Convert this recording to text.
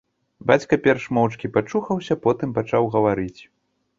Бацька перш моўчкі пачухаўся, потым пачаў гаварыць.